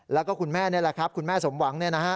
แล้วก็คุณแม่นี่แหละครับคุณแม่สมหวังเนี่ยนะฮะ